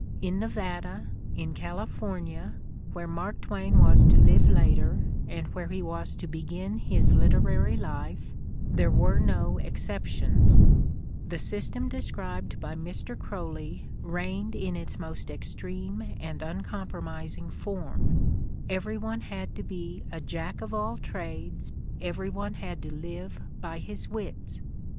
In Nevada, in California, where Mark Twain was to live later and where he was to begin his literary life, there were no exceptions; the system described by Mr. Croly reigned in its most extreme and uncompromising form; every one had to be a jack of all trades, every one had to live by his wits.